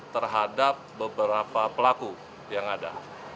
terhadap beberapa pelaku yang ada